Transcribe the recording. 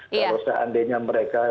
kalau seandainya mereka